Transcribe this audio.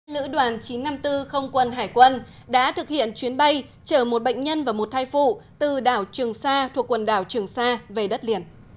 lữ đoàn chín trăm năm mươi bốn không quân hải quân đã thực hiện chuyến bay chở một bệnh nhân và một thai phụ từ đảo trường sa thuộc quần đảo trường sa về đất liền